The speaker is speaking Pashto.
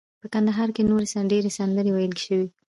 په کندهار کې نورې ډیرې سندرې ویل شوي.